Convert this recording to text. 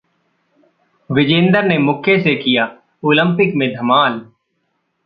विजेंदर ने मुक्के से किया ओलंपिक में धमाल